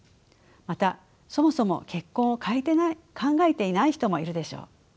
またそもそも結婚を考えていない人もいるでしょう。